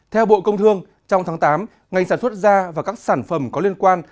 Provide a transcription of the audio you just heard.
theo bộ công thương trong tháng tám ngành sản xuất da và các sản phẩm có liên quan